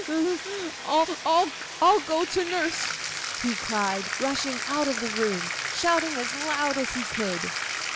'I'll go to nurse!' he cried, rushing out of the room, shouting as loud as he could.